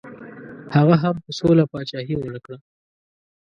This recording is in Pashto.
هغه هم په سوله پاچهي ونه کړه.